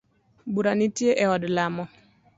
Bura nitie e od lamo.